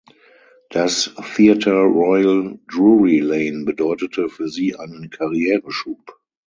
Das Theatre Royal Drury Lane bedeutete für sie einen Karriereschub.